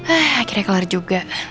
akhirnya kelar juga